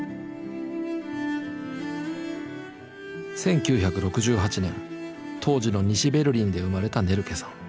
１９６８年当時の西ベルリンで生まれたネルケさん。